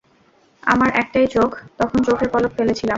আমার একটাই চোখ, তখন চোখের পলক ফেলেছিলাম।